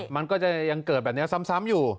มันก็จะยังเกิดแบบนี้ซ้ำอยู่